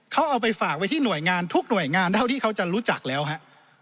เขาเอาไปฝากไว้ที่หน่วยงานทุกหน่วยงานเท่าที่เขาจะรู้จักแล้วฮะ